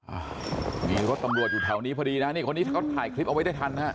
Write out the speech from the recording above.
เอฮะอีกรถตำรวจอยู่ทางนี้พอดีนะฮะนี่คนนี้ถ้าเขาถ่ายคลิปเอาไว้ได้ทันอ่ะ